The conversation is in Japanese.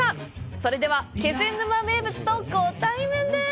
それでは、気仙沼名物とご対面です！